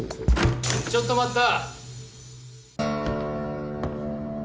・・ちょっと待った！